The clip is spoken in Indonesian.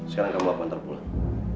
sekarang kamu lakukan terpulang